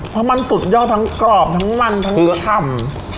เพราะมันสุดยอดทั้งกรอบทั้งมันทั้งเนื้อถ่ำ